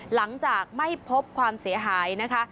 หลังจากไม่พบความเสียหายนะคะ